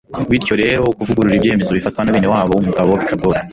bityo rero kuvugurura ibyemezo bifatwa na bene wabo w'umugabo bikagorana